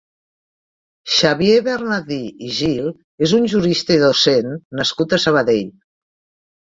Xavier Bernadí i Gil és un jurista i docent nascut a Sabadell.